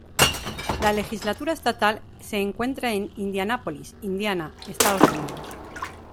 La legislatura estatal se encuentra en Indianápolis, Indiana, Estados Unidos.